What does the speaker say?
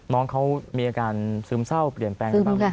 น้องเขามีอาการซึมเศร้าเปลี่ยนแปลงหรือเปล่า